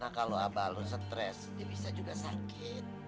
nah kalau abah lu stres dia bisa juga sakit